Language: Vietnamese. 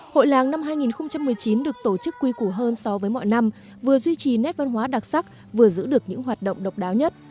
hội làng năm hai nghìn một mươi chín được tổ chức quy củ hơn so với mọi năm vừa duy trì nét văn hóa đặc sắc vừa giữ được những hoạt động độc đáo nhất